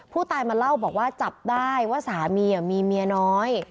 ผู้ตายมาเล่าบอกว่าจับได้ว่าสามีมีเมียน้อย